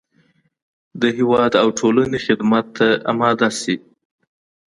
د هېواد او ټولنې خدمت ته اماده شي.